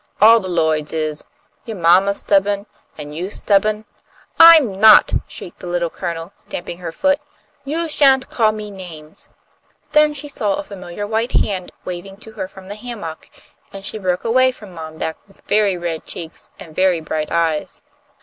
"All the Lloyds is. Yo' mamma's stubbo'n, an' you's stubbo'n " "I'm not!" shrieked the Little Colonel, stamping her foot. "You sha'n't call me names!" Then she saw a familiar white hand waving to her from the hammock, and she broke away from Mom Beck with very red cheeks and very bright eyes.